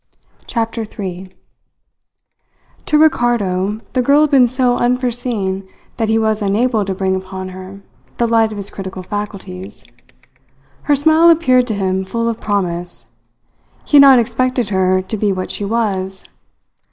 CHAPTER THREE To Ricardo the girl had been so unforeseen that he was unable to bring upon her the light of his critical faculties. Her smile appeared to him full of promise. He had not expected her to be what she was.